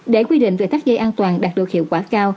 để quy định về tắt ghế an toàn đạt được hiệu quả cao